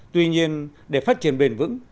tuy nhiên để phát triển bền vững